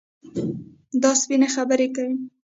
دا سپيني خبري کوي.